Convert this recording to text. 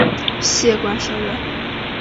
谢冠生人。